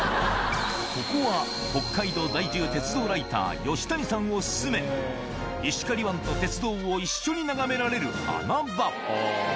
ここは北海道在住鉄道ライター、吉谷さんお勧め、石狩湾と鉄道を一緒に眺められる穴場。